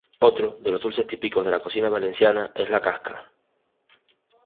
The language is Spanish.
Otro de los dulces típicos de la cocina valenciana es la casca.